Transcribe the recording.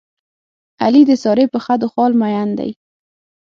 علي د سارې په خدو خال مین دی.